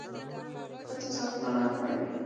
د پیسو ساتل هنر غواړي.